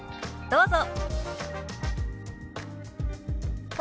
どうぞ。